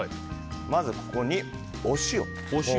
まず、ここにお塩。